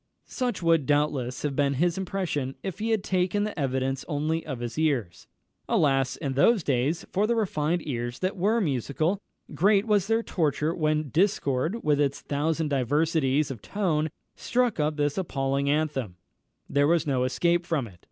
Such would, doubtless, have been his impression if he had taken the evidence only of his ears. Alas, in those days for the refined ears that were musical! great was their torture when discord, with its thousand diversities of tone, struck up this appalling anthem there was no escape from it.